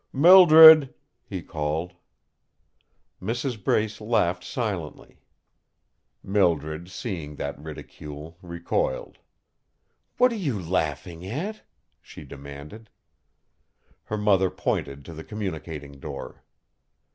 "Mildred," he called. Mrs. Brace laughed silently. Mildred, seeing that ridicule, recoiled. "What are you laughing at?" she demanded. Her mother pointed to the communicating door.